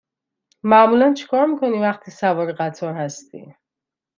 معمولا چکار می کنی وقتی سوار قطار هستی؟